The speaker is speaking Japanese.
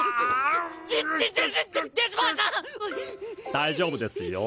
大丈夫ですよ。